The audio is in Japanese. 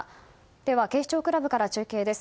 では、警視庁クラブから中継です。